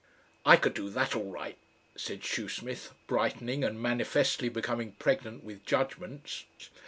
"I could do that all right," said Shoesmith, brightening and manifestly becoming pregnant with judgments.